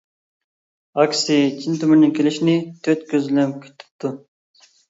ئاكىسى چىن تۆمۈرنىڭ كېلىشىنى تۆت كۈزى بىلەن كۈتۈپتۇ.